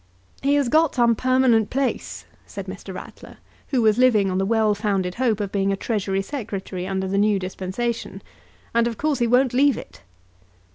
"He has got some permanent place," said Mr. Ratler, who was living on the well founded hope of being a Treasury Secretary under the new dispensation; "and of course he won't leave it."